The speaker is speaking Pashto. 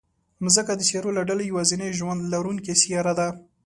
مځکه د سیارو له ډلې یوازینۍ ژوند لرونکې سیاره ده.